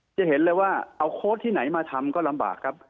จะเห็นเลยว่าเอาโค้ดที่ไหนมาทำก็ลำบากครับ